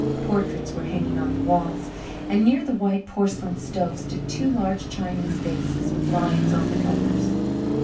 Portraits were hanging on the walls, and near the white porcelain stove stood two large Chinese vases with lions on the covers.